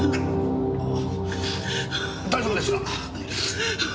大丈夫ですか？